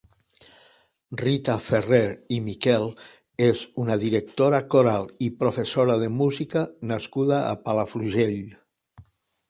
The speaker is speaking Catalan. Rita Ferrer i Miquel és una directora coral i professora de música nascuda a Palafrugell.